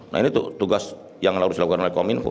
nah ini tuh tugas yang harus dilakukan oleh kominfo